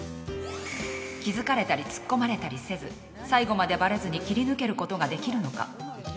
気づかれたり突っ込まれたりせず最後までバレずに切り抜けることができるのか。